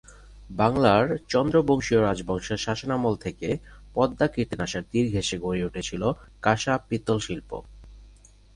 বাংলার চন্দ্র বংশীয় রাজবংশের শাসনামল থেকে পদ্মা-কীর্তিনাশার তীর ঘেঁষে গড়ে উঠেছিল কাঁসা-পিতল শিল্প।